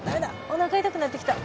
おなか痛くなってきた。